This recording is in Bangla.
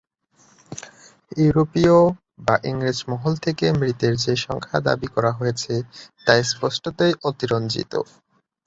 ইউরোপীয় বা ইংরেজ মহল থেকে মৃতের যে সংখ্যা দাবি করা হয়েছে তা স্পষ্টতই অতিরঞ্জিত।